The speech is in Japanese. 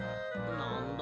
なんだ？